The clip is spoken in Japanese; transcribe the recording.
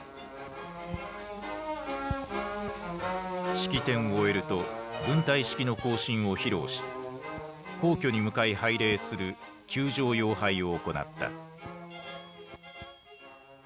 式典を終えると軍隊式の行進を披露し皇居に向かい拝礼する宮城遥拝を行った。